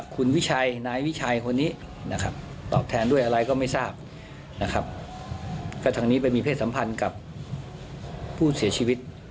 กระทั่งนี้มีเพศสัมพันธ์กับผู้เสียชีวิต